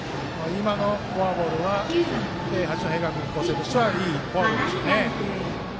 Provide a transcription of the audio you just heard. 今のフォアボールは八戸学院光星としてはいいフォアボールでしょうね。